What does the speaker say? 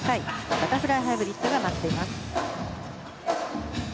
バタフライハイブリッドが待っています。